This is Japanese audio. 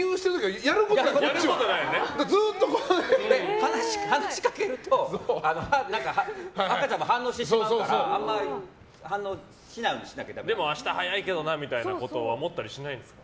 話しかけると赤ちゃんも反応してしまうからでも明日早いけどなみたいなことは思ったりしないですか？